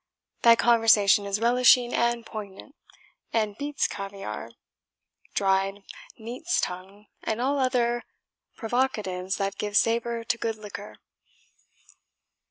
Thy conversation is relishing and poignant, and beats caviare, dried neat's tongue, and all other provocatives that give savour to good liquor."